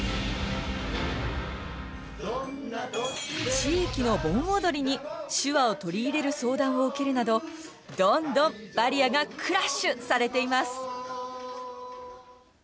地域の盆踊りに手話を取り入れる相談を受けるなどどんどんバリアがクラッシュされています。